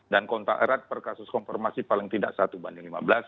dan kontak erat per kasus konfirmasi paling tidak satu banding lima belas